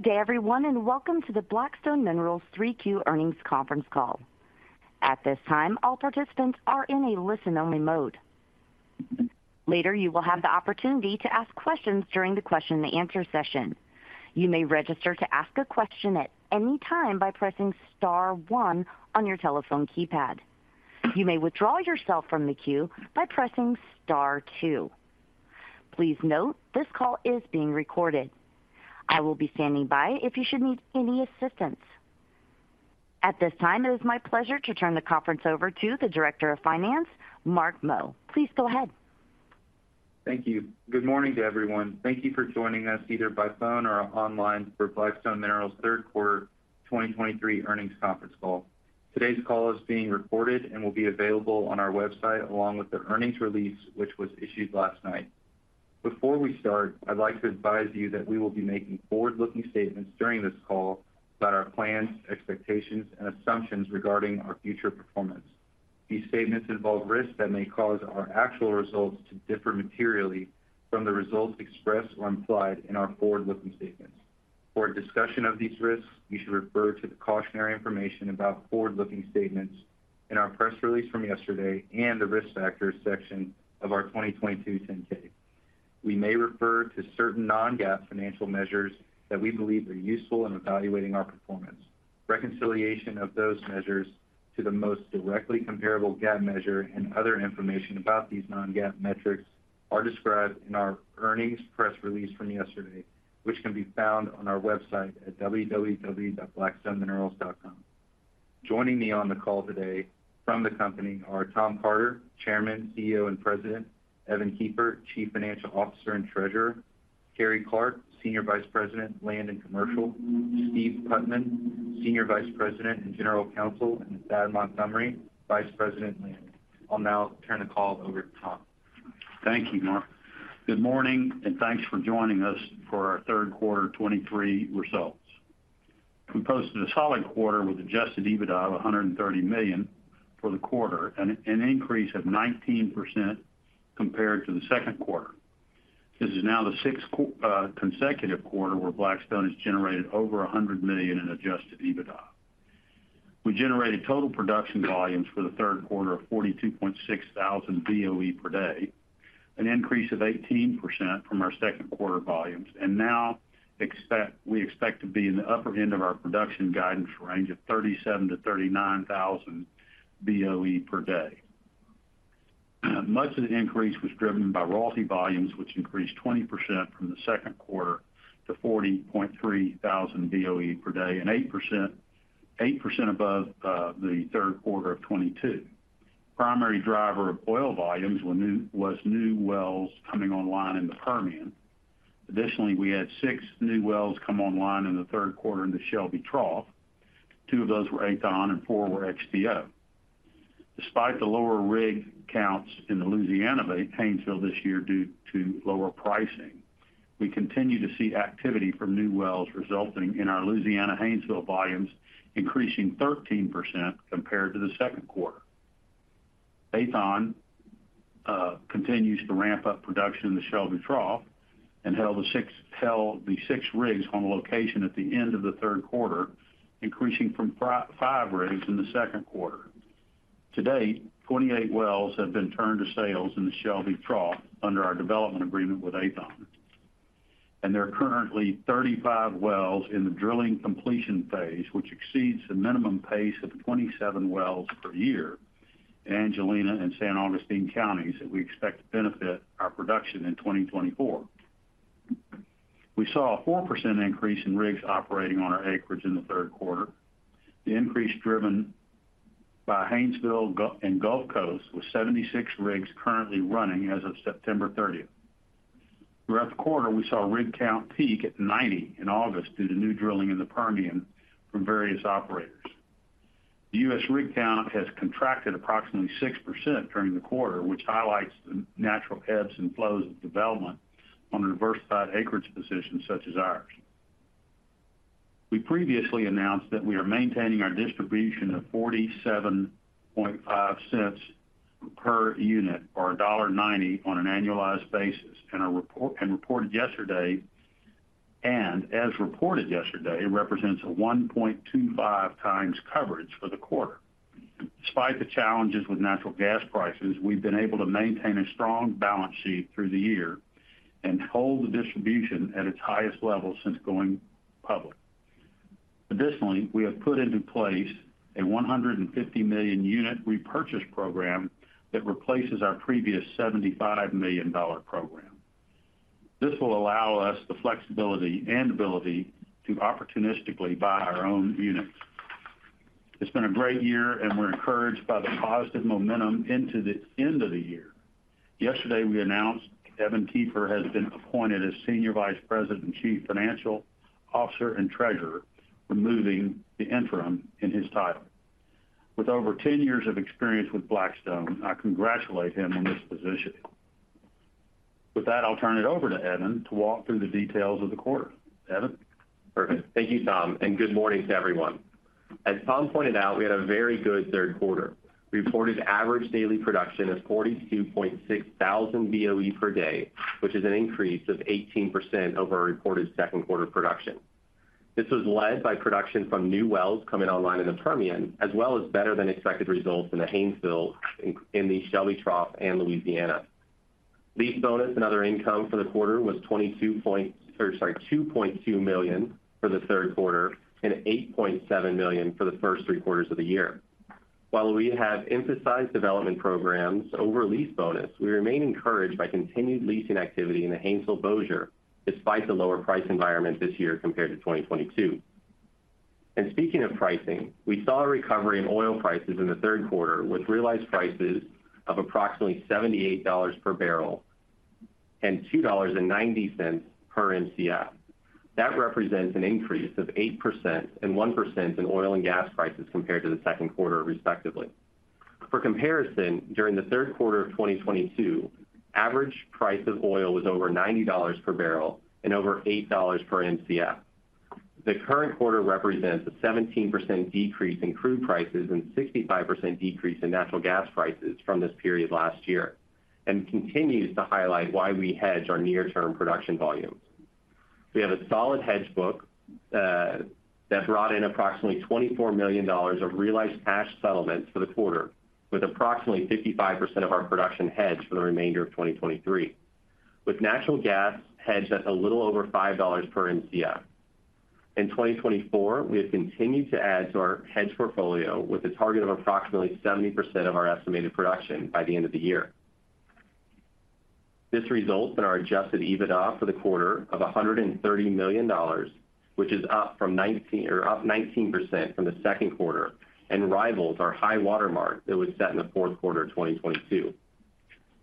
Good day, everyone, and welcome to the Black Stone Minerals 3Q Earnings Conference Call. At this time, all participants are in a listen-only mode. Later, you will have the opportunity to ask questions during the question and answer session. You may register to ask a question at any time by pressing star one on your telephone keypad. You may withdraw yourself from the queue by pressing star two. Please note, this call is being recorded. I will be standing by if you should need any assistance. At this time, it is my pleasure to turn the conference over to the Director of Finance, Mark Meaux. Please go ahead. Thank you. Good morning to everyone. Thank you for joining us, either by phone or online, for Black Stone Minerals' third quarter 2023 earnings conference call. Today's call is being recorded and will be available on our website, along with the earnings release, which was issued last night. Before we start, I'd like to advise you that we will be making forward-looking statements during this call about our plans, expectations, and assumptions regarding our future performance. These statements involve risks that may cause our actual results to differ materially from the results expressed or implied in our forward-looking statements. For a discussion of these risks, you should refer to the cautionary information about forward-looking statements in our press release from yesterday and the Risk Factors section of our 2022 10-K. We may refer to certain non-GAAP financial measures that we believe are useful in evaluating our performance. Reconciliation of those measures to the most directly comparable GAAP measure and other information about these non-GAAP metrics are described in our earnings press release from yesterday, which can be found on our website at www.blackstoneminerals.com. Joining me on the call today from the company are Tom Carter, Chairman, CEO, and President, Evan Kiefer, Chief Financial Officer and Treasurer, Carrie Clark, Senior Vice President, Land and Commercial, Steve Putman, Senior Vice President and General Counsel, and Thad Montgomery, Vice President, Land. I'll now turn the call over to Tom. Thank you, Mark. Good morning, and thanks for joining us for our third quarter 2023 results. We posted a solid quarter with Adjusted EBITDA of $130 million for the quarter, and an increase of 19% compared to the second quarter. This is now the sixth consecutive quarter where Black Stone has generated over $100 million in adjusted EBITDA. We generated total production volumes for the third quarter of 42.6 thousand BOE per day, an increase of 18% from our second quarter volumes, and now we expect to be in the upper end of our production guidance range of 37-39 thousand BOE per day. Much of the increase was driven by royalty volumes, which increased 20% from the second quarter to 40.3 thousand BOE per day, and 8%, 8% above the third quarter of 2022. Primary driver of oil volumes were new wells coming online in the Permian. Additionally, we had six new wells come online in the third quarter in the Shelby Trough. Two of those were Aethon and four were XTO. Despite the lower rig counts in the Louisiana Haynesville this year due to lower pricing, we continue to see activity from new wells, resulting in our Louisiana Haynesville volumes increasing 13% compared to the second quarter. Aethon continues to ramp up production in the Shelby Trough and held the six rigs on location at the end of the third quarter, increasing from five rigs in the second quarter. To date, 28 wells have been turned to sales in the Shelby Trough under our development agreement with Aethon. There are currently 35 wells in the drilling completion phase, which exceeds the minimum pace of 27 wells per year in Angelina and San Augustine counties, that we expect to benefit our production in 2024. We saw a 4% increase in rigs operating on our acreage in the third quarter. The increase driven by Haynesville and Gulf Coast, with 76 rigs currently running as of September 30th. Throughout the quarter, we saw rig count peak at 90 in August, due to new drilling in the Permian from various operators. The U.S. rig count has contracted approximately 6% during the quarter, which highlights the natural ebbs and flows of development on a diversified acreage position such as ours. We previously announced that we are maintaining our distribution of $0.475 per unit, or $1.90 on an annualized basis, and reported yesterday. As reported yesterday, represents a 1.25 times coverage for the quarter. Despite the challenges with natural gas prices, we've been able to maintain a strong balance sheet through the year and hold the distribution at its highest level since going public. Additionally, we have put into place a $150 million unit repurchase program that replaces our previous $75 million program. This will allow us the flexibility and ability to opportunistically buy our own units. It's been a great year, and we're encouraged by the positive momentum into the end of the year. Yesterday, we announced Evan Kiefer has been appointed as Senior Vice President, Chief Financial Officer, and Treasurer, removing the interim in his title. With over 10 years of experience with Black Stone, I congratulate him on this position. With that, I'll turn it over to Evan to walk through the details of the quarter. Evan? Perfect. Thank you, Tom, and good morning to everyone. ...As Tom pointed out, we had a very good third quarter. Reported average daily production is 42.6 thousand BOE per day, which is an increase of 18% over our reported second quarter production. This was led by production from new wells coming online in the Permian, as well as better than expected results in the Haynesville, in the Shelby Trough and Louisiana. Lease bonus and other income for the quarter was $2.2 million for the third quarter and $8.7 million for the first three quarters of the year. While we have emphasized development programs over lease bonus, we remain encouraged by continued leasing activity in the Haynesville-Bossier, despite the lower price environment this year compared to 2022. And speaking of pricing, we saw a recovery in oil prices in the third quarter, with realized prices of approximately $78 per barrel and $2.90 per Mcf. That represents an increase of 8% and 1% in oil and gas prices compared to the second quarter, respectively. For comparison, during the third quarter of 2022, average price of oil was over $90 per barrel and over $8 per Mcf. The current quarter represents a 17% decrease in crude prices and 65% decrease in natural gas prices from this period last year, and continues to highlight why we hedge our near-term production volumes. We have a solid hedge book that brought in approximately $24 million of realized cash settlements for the quarter, with approximately 55% of our production hedged for the remainder of 2023, with natural gas hedged at a little over $5 per MCF. In 2024, we have continued to add to our hedge portfolio with a target of approximately 70% of our estimated production by the end of the year. This results in our adjusted EBITDA for the quarter of $130 million, which is up or up 19% from the second quarter, and rivals our high water mark that was set in the fourth quarter of 2022.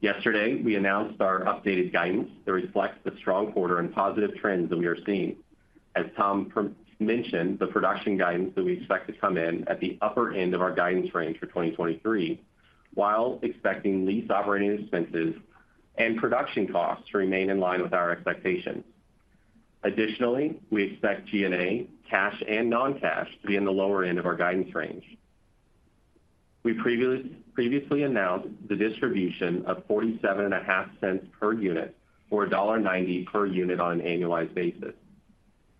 Yesterday, we announced our updated guidance that reflects the strong quarter and positive trends that we are seeing. As Tom mentioned, the production guidance that we expect to come in at the upper end of our guidance range for 2023, while expecting lease operating expenses and production costs to remain in line with our expectations. Additionally, we expect G&A, cash and non-cash, to be in the lower end of our guidance range. We previously announced the distribution of $0.475 per unit, or $1.90 per unit on an annualized basis.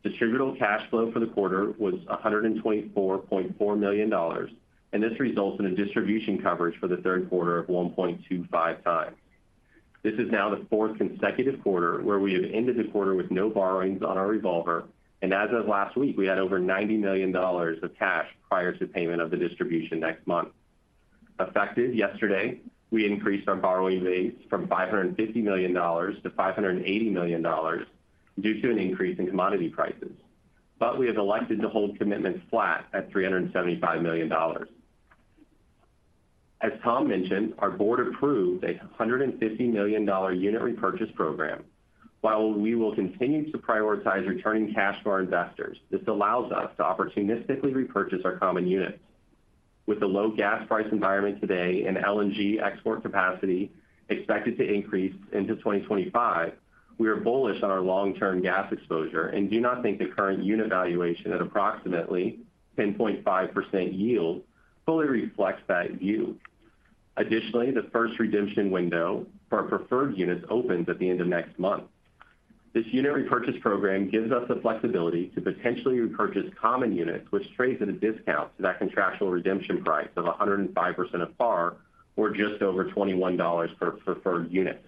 Distributable cash flow for the quarter was $124.4 million, and this results in a distribution coverage for the third quarter of 1.25 times. This is now the fourth consecutive quarter where we have ended the quarter with no borrowings on our revolver, and as of last week, we had over $90 million of cash prior to payment of the distribution next month. Effective yesterday, we increased our borrowing base from $550 million to $580 million due to an increase in commodity prices, but we have elected to hold commitments flat at $375 million. As Tom mentioned, our board approved a $150 million unit repurchase program. While we will continue to prioritize returning cash to our investors, this allows us to opportunistically repurchase our common units. With the low gas price environment today and LNG export capacity expected to increase into 2025, we are bullish on our long-term gas exposure and do not think the current unit valuation at approximately 10.5% yield fully reflects that view. Additionally, the first redemption window for our preferred units opens at the end of next month. This unit repurchase program gives us the flexibility to potentially repurchase common units, which trade at a discount to that contractual redemption price of 105% of parPAR, or just over $21 per preferred unit.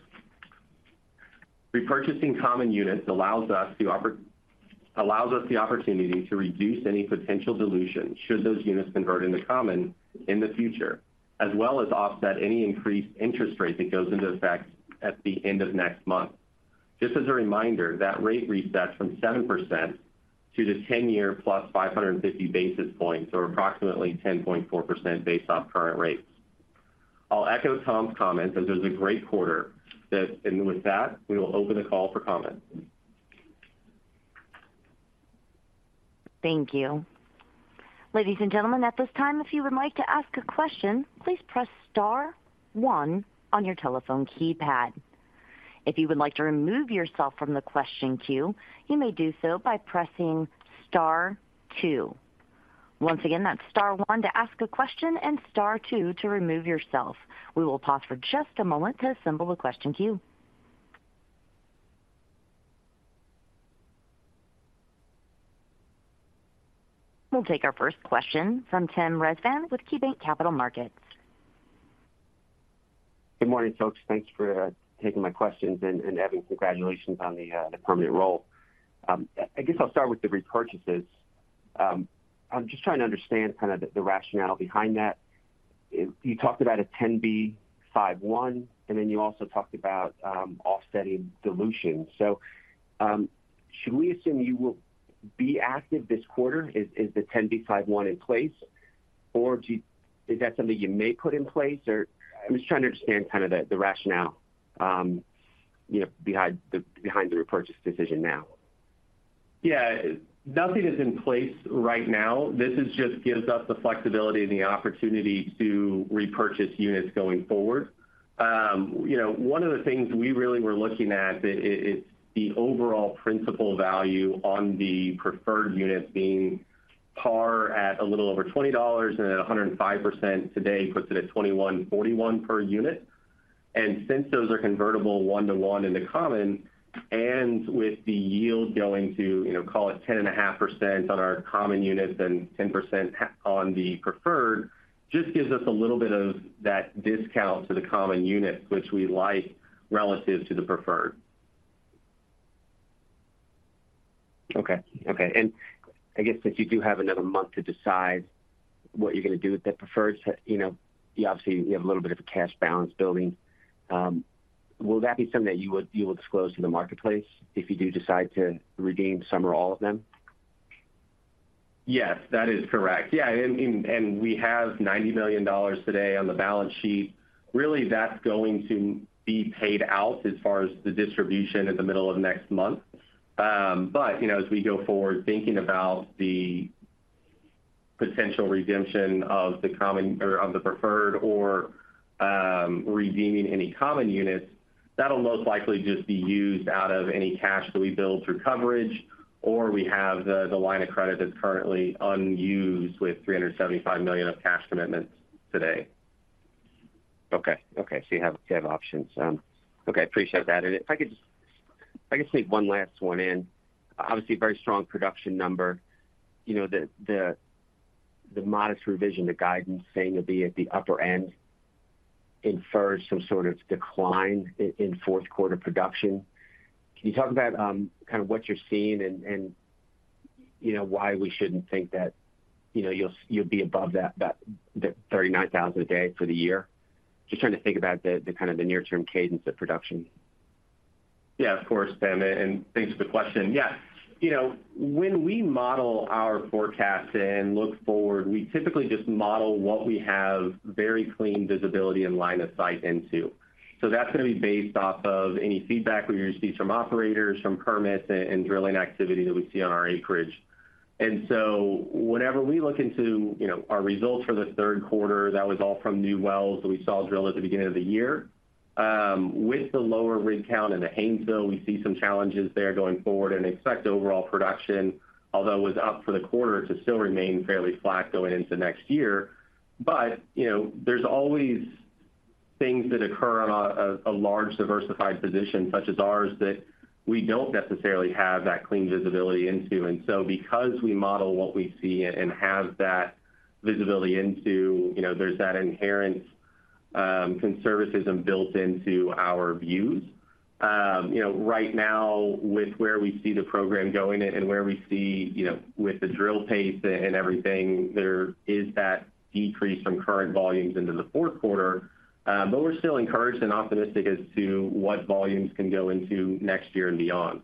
Repurchasing common units allows us the opportunity to reduce any potential dilution, should those units convert into common in the future, as well as offset any increased interest rate that goes into effect at the end of next month. Just as a reminder, that rate resets from 7% to the 10-year plus 550 basis points, or approximately 10.4% based off current rates. I'll echo Tom's comments that it was a great quarter, that- and with that, we will open the call for comment. Thank you. Ladies and gentlemen, at this time, if you would like to ask a question, please press star one on your telephone keypad. If you would like to remove yourself from the question queue, you may do so by pressing star two. Once again, that's star one to ask a question and star two to remove yourself. We will pause for just a moment to assemble a question queue. We'll take our first question from Tim Rezvan with KeyBanc Capital Markets. Good morning, folks. Thanks for taking my questions, and Evan, congratulations on the permanent role. I guess I'll start with the repurchases. I'm just trying to understand kind of the rationale behind that. You talked about a 10b5-1, and then you also talked about offsetting dilution. So, should we assume you will be active this quarter? Is the 10b5-1 in place, or do you—is that something you may put in place? Or I'm just trying to understand kind of the rationale, you know, behind the repurchase decision now. Yeah. Nothing is in place right now. This just gives us the flexibility and the opportunity to repurchase units going forward. You know, one of the things we really were looking at, the overall principal value on the preferred unit being par at a little over $20, and at 105% today, puts it at $21.41 per unit. And since those are convertible 1-to-1 in the common, and with the yield going to, you know, call it 10.5% on our common units and 10% on the preferred, just gives us a little bit of that discount to the common units, which we like relative to the preferred. Okay. Okay. And I guess since you do have another month to decide what you're gonna do with the preferred, you know, you obviously have a little bit of a cash balance building. Will that be something that you will disclose to the marketplace if you do decide to redeem some or all of them? Yes, that is correct. Yeah, and we have $90 million today on the balance sheet. Really, that's going to be paid out as far as the distribution in the middle of next month. But, you know, as we go forward, thinking about the potential redemption of the common or of the preferred or redeeming any common units, that'll most likely just be used out of any cash that we build through coverage, or we have the line of credit that's currently unused with $375 million of cash commitments today. Okay. Okay, so you have options. Okay, appreciate that. And if I could just if I could sneak one last one in. Obviously, a very strong production number. You know, the modest revision, the guidance saying you'll be at the upper end, infers some sort of decline in fourth quarter production. Can you talk about kind of what you're seeing and you know, why we shouldn't think that you know, you'll be above that the 39,000 a day for the year? Just trying to think about the kind of near-term cadence of production. Yeah, of course, Tim, and, and thanks for the question. Yeah. You know, when we model our forecast and look forward, we typically just model what we have very clean visibility and line of sight into. So that's gonna be based off of any feedback we receive from operators, from permits and, and drilling activity that we see on our acreage. And so whenever we look into, you know, our results for the third quarter, that was all from new wells that we saw drill at the beginning of the year. With the lower rig count in the Haynesville, we see some challenges there going forward and expect overall production, although it was up for the quarter, to still remain fairly flat going into next year. But, you know, there's always things that occur on a large diversified position such as ours, that we don't necessarily have that clean visibility into. And so because we model what we see and have that visibility into, you know, there's that inherent conservatism built into our views. You know, right now, with where we see the program going and where we see, you know, with the drill pace and everything, there is that decrease from current volumes into the fourth quarter. But we're still encouraged and optimistic as to what volumes can go into next year and beyond.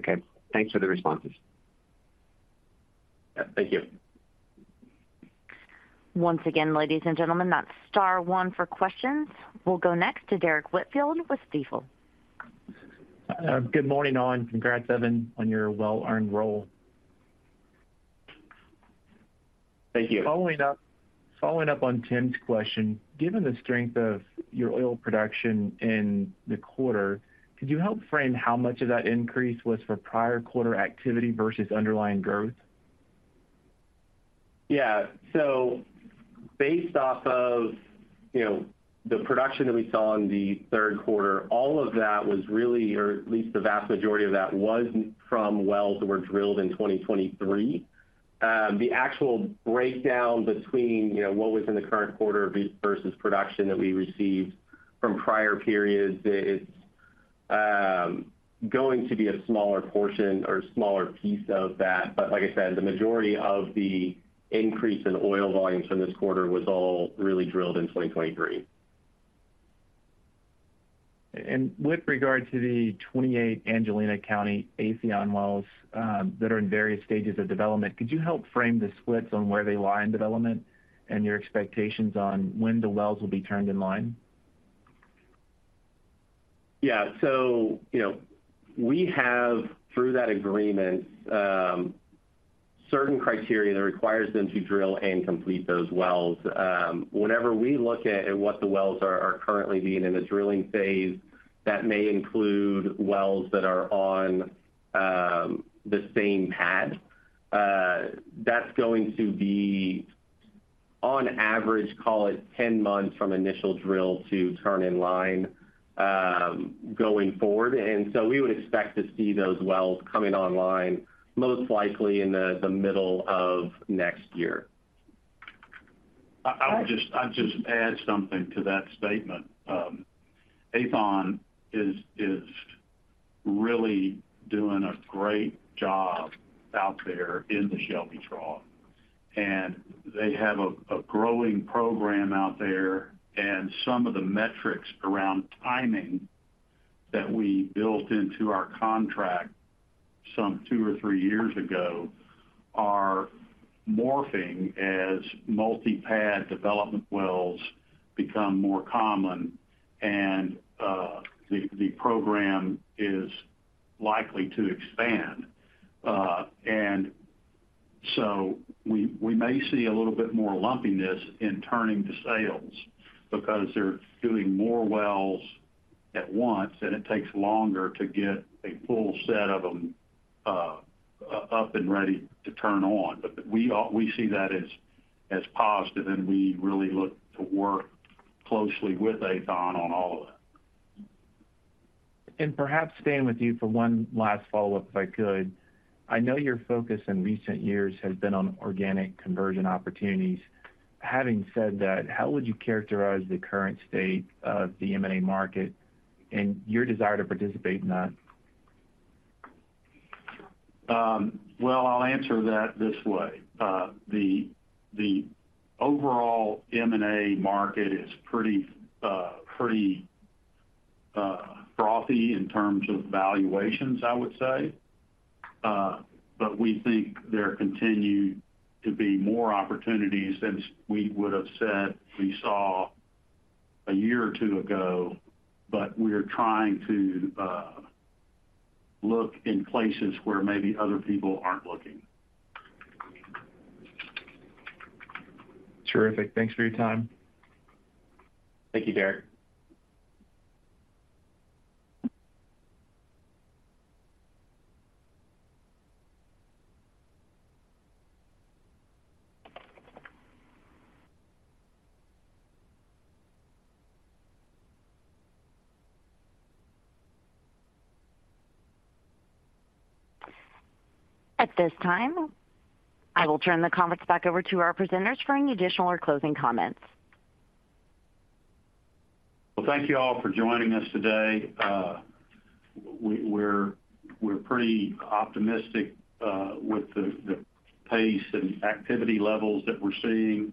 Okay. Thanks for the responses. Yeah, thank you. Once again, ladies and gentlemen, that's star one for questions. We'll go next to Derrick Whitfield with Stifel. Good morning, all, and congrats, Evan, on your well-earned role. Thank you. Following up on Tim's question, given the strength of your oil production in the quarter, could you help frame how much of that increase was for prior quarter activity versus underlying growth? Yeah. So based off of, you know, the production that we saw in the third quarter, all of that was really, or at least the vast majority of that, was from wells that were drilled in 2023. The actual breakdown between, you know, what was in the current quarter versus production that we received from prior periods, it's going to be a smaller portion or a smaller piece of that. But like I said, the majority of the increase in oil volumes from this quarter was all really drilled in 2023. With regard to the 28 Angelina County Aethon wells that are in various stages of development, could you help frame the splits on where they lie in development and your expectations on when the wells will be turned in line? Yeah. So, you know, we have, through that agreement, certain criteria that requires them to drill and complete those wells. Whenever we look at what the wells are currently being in the drilling phase, that may include wells that are on the same pad. That's going to be, on average, call it 10 months from initial drill to turn in line, going forward. And so we would expect to see those wells coming online, most likely in the middle of next year. I'll just add something to that statement. Aethon is really doing a great job out there in the Shelby Trough, and they have a growing program out there. And some of the metrics around timing that we built into our contract some two or three years ago are morphing as multi-pad development wells become more common, and the program is likely to expand. And so we may see a little bit more lumpiness in turning to sales because they're doing more wells at once, and it takes longer to get a full set of them up and ready to turn on. But we see that as positive, and we really look to work closely with Aethon on all of that. Perhaps staying with you for one last follow-up, if I could. I know your focus in recent years has been on organic conversion opportunities. Having said that, how would you characterize the current state of the M&A market and your desire to participate in that? Well, I'll answer that this way. The overall M&A market is pretty, pretty frothy in terms of valuations, I would say. But we think there continue to be more opportunities than we would have said we saw a year or two ago, but we are trying to look in places where maybe other people aren't looking. Terrific. Thanks for your time. Thank you, Derek. At this time, I will turn the conference back over to our presenters for any additional or closing comments. Well, thank you all for joining us today. We're pretty optimistic with the pace and activity levels that we're seeing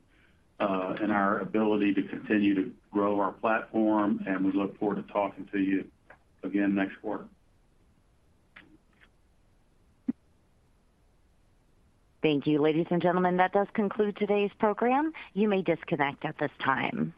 in our ability to continue to grow our platform, and we look forward to talking to you again next quarter. Thank you, ladies and gentlemen. That does conclude today's program. You may disconnect at this time.